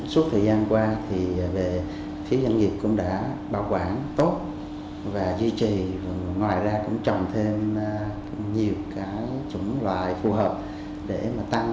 suốt thời gian qua thì về phía doanh nghiệp cũng đã bảo quản tốt và duy trì ngoài ra cũng trồng thêm nhiều cái chủng loại phù hợp để mà tăng